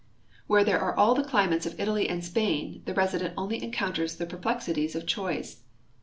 Where there are all the climates of Italy and Spain, the resident onl}^ encounters the perplexity of choice.